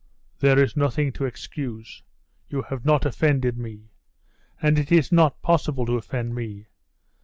"There is nothing to excuse, you have not offended me. And it is not possible to offend me."